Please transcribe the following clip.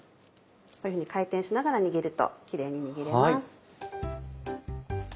こういうふうに回転しながら握るとキレイに握れます。